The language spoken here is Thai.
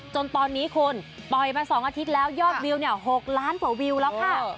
จนตอนนี้คุณปล่อยมา๒อาทิตย์แล้วยอดวิว๖ล้านกว่าวิวแล้วค่ะ